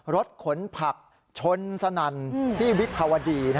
รถขนผักชนสนั่นที่วิภาวดี